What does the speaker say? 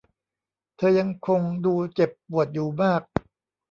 เธอยังคงดูเจ็บปวดอยู่มาก